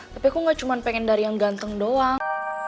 tapi aku gak cuma pengen dari yang ganteng doang